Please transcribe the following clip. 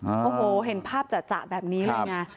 โอ้โหเห็นภาพจ่ะแบบนี้เลยไง